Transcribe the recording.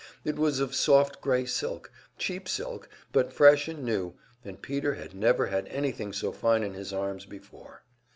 It was of soft grey silk cheap silk, but fresh and new, and Peter had never had anything so fine in his arms before.